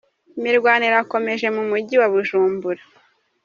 Imirwano irakomeje mu mujyi wa Bujumbura